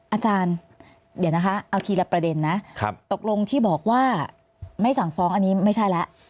อาจารย์เดี๋ยวนะคะเอาทีละประเด็นนะตกลงที่บอกว่าไม่สั่งฟ้องอันนี้ไม่ใช่แล้ว